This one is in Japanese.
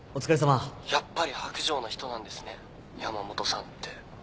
やっぱり薄情な人なんですね山本さんって。